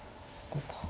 こうか。